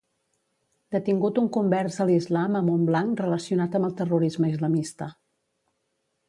Detingut un convers a l'islam a Montblanc relacionat amb el terrorisme islamista